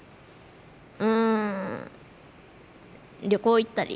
うん旅行行ったり。